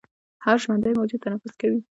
هر ژوندی موجود تنفس کوي